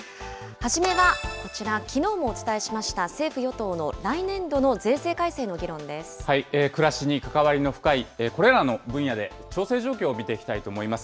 初めはこちら、きのうもお伝えしました、政府・与党の来年度暮らしに関わりの深いこれらの分野で、調整状況を見ていきたいと思います。